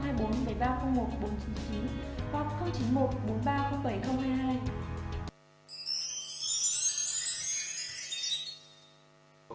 hoặc có dòng gọi đến tới hotline hai mươi bốn bảy nghìn ba trăm linh một bốn trăm chín mươi chín hoặc chín mươi một bốn nghìn ba trăm linh bảy hai mươi hai